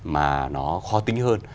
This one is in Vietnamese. mà nó khó tính hơn